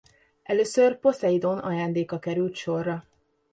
Először Poszeidón ajándéka került sorra.